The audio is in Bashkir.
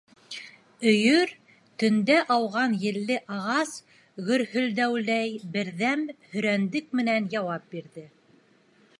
Өйөр төндә ауған елле ағас гөрһөлдәүеләй берҙәм һөрәндәк менән яуап бирҙе.